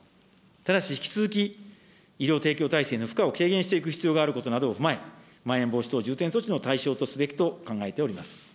ただし引き続き、医療提供体制の負荷を軽減していく必要があることなどを踏まえ、まん延防止等重点措置の対象とすべきと考えております。